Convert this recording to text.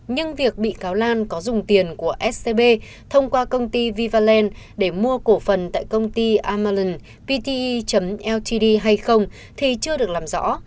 nhưng việc bị cáo lan có dùng tiền của stb thông qua công ty vivalent để mua cổ phần tại công ty amalanpte ltd hay không thì chưa được làm rõ